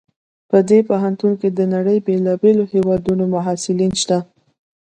په دې پوهنتون کې د نړۍ د بیلابیلو هیوادونو محصلین شته